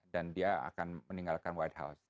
dan dia akan meninggalkan white house